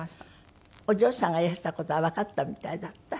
お嬢さんがいらした事はわかったみたいだった？